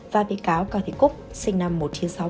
và bị cáo cao thị cúc sinh năm một nghìn chín trăm sáu mươi